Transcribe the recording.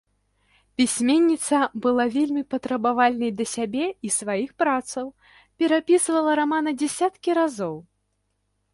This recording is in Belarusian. Пісьменніца была вельмі патрабавальнай да сябе і сваіх працаў, перапісвала рамана дзесяткі разоў.